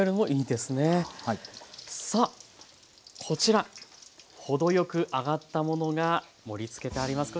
さあこちら程よく揚がったものが盛りつけてあります。